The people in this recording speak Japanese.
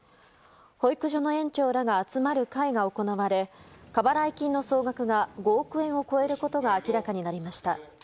保育所の園長らが集まる会が行われ過払い金の総額が５億円を超えることが明らかになりました。